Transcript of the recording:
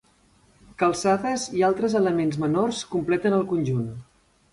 Calçades i altres elements menors completen el conjunt.